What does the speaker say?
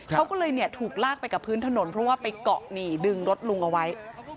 เขาก็เลยถูกลากไปกับพื้นถนนเพราะว่าไปเกาะนี่ดึงรถลุงเอาไว้